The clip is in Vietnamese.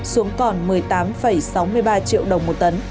xuống còn một mươi tám sáu mươi ba triệu đồng một tấn